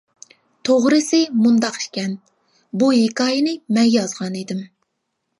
توغرىسى مۇنداق ئىكەن: بۇ ھېكايىنى مەن يازغان ئىدىم.